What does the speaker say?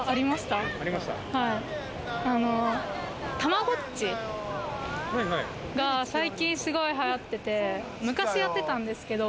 たまごっちが、最近すごい流行ってて、昔やってたんですけど。